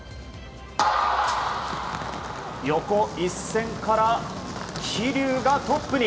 横一線から桐生がトップに。